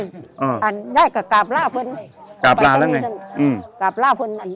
ย่ายก็กราบล่าเพิ่งกราบล่าแล้วไงอืมกราบล่าเพิ่งนั่น